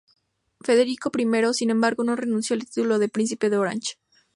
Federico I, sin embargo, no renunció al título de Príncipe de Orange.